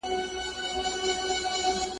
په څېړنه کي د تېرو کارونو یادونه خامخا کیږي.